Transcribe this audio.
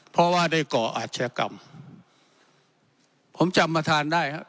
เพราะว่าได้ก่ออาชญากรรมผมจำประธานได้ครับ